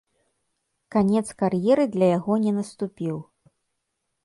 Канец кар'еры для яго не наступіў.